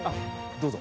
どうぞ。